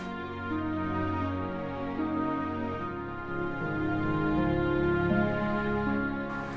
aku mau ke tempatnya